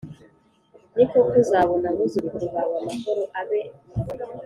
Ni koko uzabona abuzukuru bawe Amahoro abe